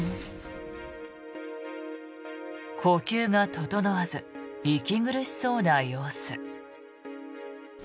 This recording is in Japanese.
呼吸が整わず息苦しそうな様子。